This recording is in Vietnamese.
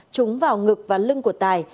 trúng vào ngực và lưng của tài